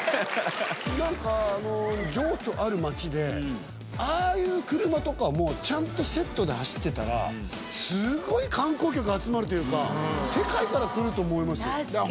なんか、情緒ある町で、ああいう車とか、もうちゃんとセットで走ってたら、すごい観光客集まるというか、世界から来ると確かに。